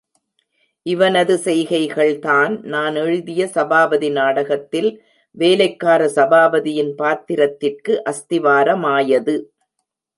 இவனது செய்கைகள்தான், நான் எழுதிய சபாபதி நாடகத்தில், வேலைக்கார சபாபதியின் பாத்திரத்திற்கு அஸ்திவாரமாயது.